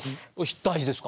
大事ですか？